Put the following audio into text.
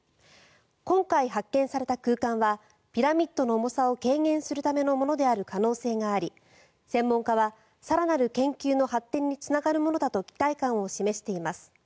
今回発見された空間はピラミッドの重さを軽減するためのものである可能性があり専門家は、更なる研究の発展につながるものだと期待感を示しています。